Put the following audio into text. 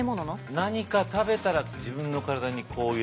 何か食べたら自分の体にこういう影響がある。